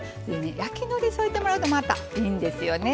焼きのりを、のせてもらうとまた、いいんですよね。